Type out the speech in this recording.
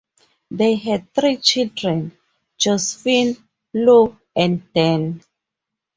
They had three children: Josephine, Lou and Dan.